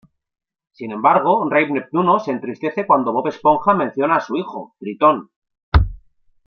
Sin embargo, rey Neptuno se entristece cuando Bob Esponja menciona a su hijo, Tritón.